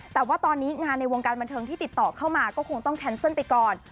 แต่ว่าตอนนี้งานในวงการบันเทิงที่ติดต่อเข้ามาก็คงต้องแคนเซิลไปก่อน